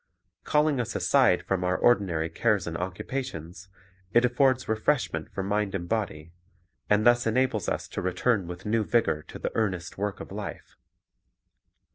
Calling us aside from our ordinary cares and occupations, it affords refreshment for mind and body, and thus enables us to return with new vigor to the earnest work of life.